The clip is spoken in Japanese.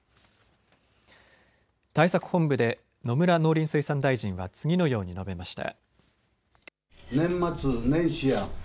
対策本部で野村農林水産大臣は次のように述べました。